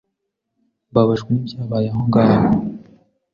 Mbabajwe nibyabaye aho ngaho.